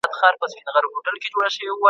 د انسان ساتنه د حکومت دنده ده.